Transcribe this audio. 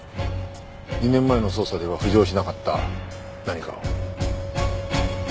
２年前の捜査では浮上しなかった何かを。